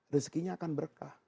rezekinya akan berkah